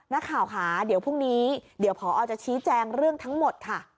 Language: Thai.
นักข่าวค่ะเดี๋ยวพรุ่งนี้เดี๋ยวพอจะชี้แจงเรื่องทั้งหมดค่ะ